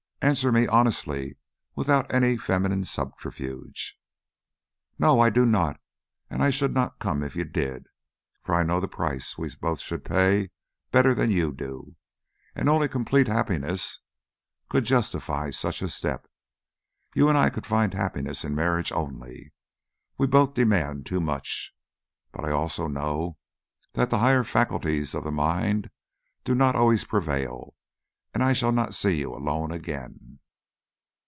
Answer me honestly, without any feminine subterfuge." "No, I do not." "And I should not come if you did, for I know the price we both should pay better than you do, and only complete happiness could justify such a step. You and I could find happiness in marriage only we both demand too much! But I also know that the higher faculties of the mind do not always prevail, and I shall not see you alone again."